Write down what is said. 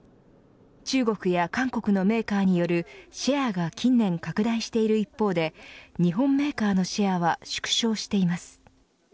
中国や韓国のメーカーによるシェアが近年拡大している一方で日本メーカーのシェアは縮小しています。